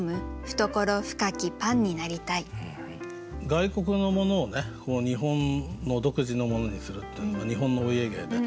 外国のものを日本の独自のものにするっていうのは日本のお家芸で。